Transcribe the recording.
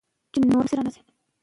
سپورت د بندونو خونديتوب تضمینوي.